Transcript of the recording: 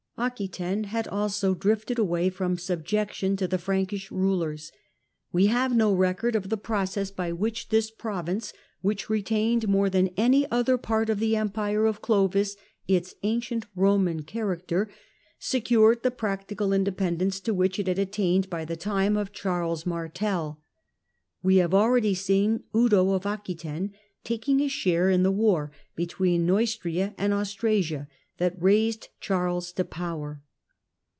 Aquetaine Aquetaine had also drifted away from subjection to the Frankish rulers. We have no record of the process by which this province, which retained more than any other part of the Empire of Clovis its ancient Roman character, secured the practical independence to which it had attained by the time of Charles Martel. We have already seen Eudo of Aquetaine taking a share in the war between Neustria and Austrasia that raised Charles to power.